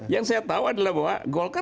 yang saya tahu adalah bahwa golkar